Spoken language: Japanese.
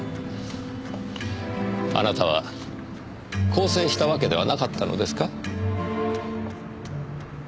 あなたは更生したわけではなかったのですか？